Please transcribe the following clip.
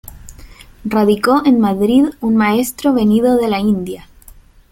Radicó en Madrid un maestro venido de la India.